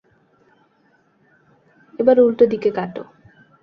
এবার উল্টো দিকে কাটো।